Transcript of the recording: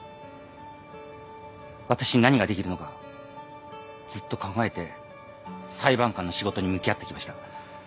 私に何ができるのかずっと考えて裁判官の仕事に向き合ってきました。